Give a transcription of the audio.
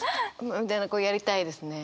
みたいなこうやりたいですね。